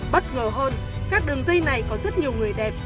bất ngờ hơn các đường dây này có rất nhiều người đẹp